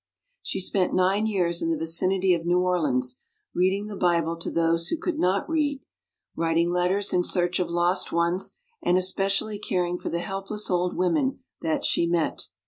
She spent nine years in the vicinity of New Orleans, reading the Bible to those who could not read, writing letters in search of lost ones, and especially caring for the helpless old women that she met.